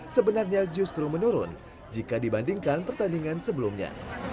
sebenarnya justru menurun jika dibandingkan pertandingan sebelumnya